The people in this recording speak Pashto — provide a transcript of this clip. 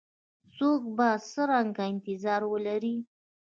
څوک به څرنګه انتظار ولري؟